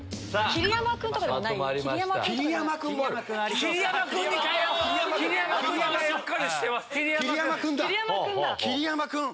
桐山君だ！